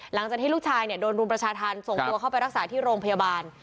หลังจากที่ลูกชายโดนรุมประชาธรรมส่งตัวเข้าไปรักษาที่โรงพยาบาล